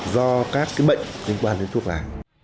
do các cái bệnh liên quan đến thuốc lá